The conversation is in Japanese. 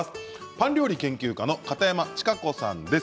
パン料理研究家の片山智香子さんです。